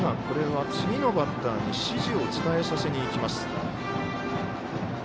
これは次のバッターに指示を伝えさせに行きます。